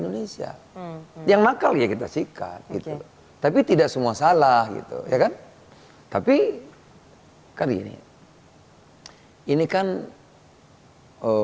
indonesia yang makal ya kita sikat tapi tidak semua salah gitu ya kan tapi kali ini hai ini kan oh